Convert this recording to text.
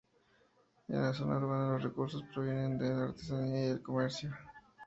En la zona urbana los recursos provienen de la artesanía y del comercio.